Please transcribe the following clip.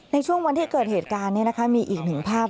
ในช่วงวันที่เกิดเหตุการณ์นี้มีอีกหนึ่งภาพ